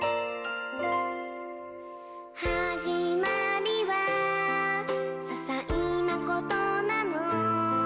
「はじまりはささいなことなの」